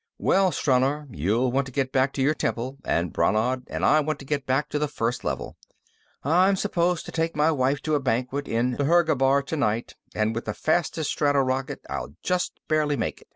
"Well, Stranor, you'll want to get back to your temple, and Brannad and I want to get back to the First Level. I'm supposed to take my wife to a banquet in Dhergabar, tonight, and with the fastest strato rocket, I'll just barely make it."